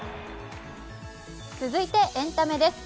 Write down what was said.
続いてエンタメです。